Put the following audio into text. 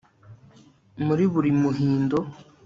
muri buri muhindo